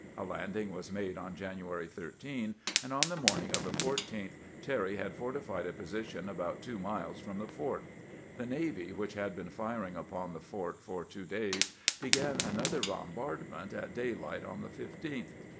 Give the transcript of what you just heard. A landing was made on January 13, and on the morn ing of the 14th Terry had fortified a position about two miles from the fort. The navy, which had been firing 370 CAMPAIGNING WITH GRANT upon the fort for two days, began another bombardment at daylight on the 15th.